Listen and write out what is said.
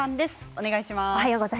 お願いします。